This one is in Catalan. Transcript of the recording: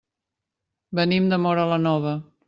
Venim de Móra la Nova.